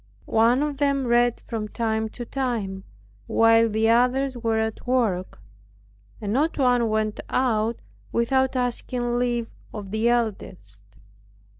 One of them read from time to time, while the others were at work, and not one went out without asking leave of the eldest.